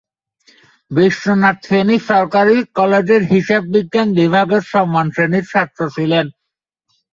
বিষ্ণু নাথ ফেনী সরকারি কলেজের হিসাববিজ্ঞান বিভাগের সম্মান শ্রেণীর ছাত্র ছিলেন।